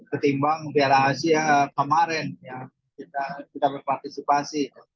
ketimbang piala asia kemarin yang kita berpartisipasi